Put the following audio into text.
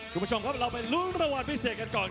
คุณผู้ชมครับเราไปลุ้นรางวัลพิเศษกันก่อน